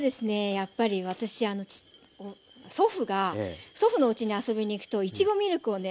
やっぱり私あの祖父が祖父のうちに遊びに行くといちごミルクをね